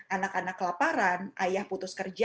anak anak kelaparan ayah putus kerja